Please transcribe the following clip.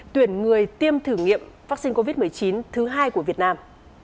tuyển người tiêm thử nghiệm vaccine covid một mươi chín thứ hai của việt nam